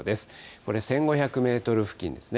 これ、１５００メートル付近ですね。